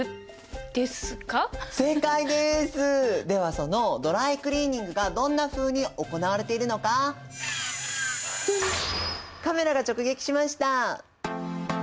そのドライクリーニングがどんなふうに行われているのかカメラが直撃しました！